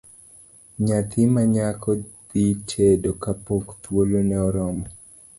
Nyathi manyako dhi tedo kapok thuolo ne oromo.